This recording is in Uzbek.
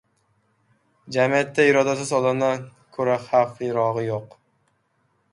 Jamiyatda irodasiz odamdan ko‘ra xavflirog‘i yo‘q.